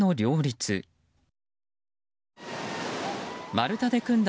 丸太で組んだ